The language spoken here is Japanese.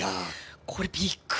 これ、びっくり。